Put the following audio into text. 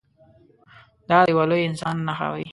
دا د یوه لوی انسان نښه وي.